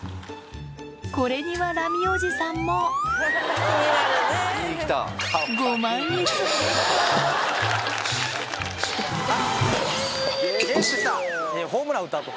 これにはラミおじさんもいやホームラン打った後。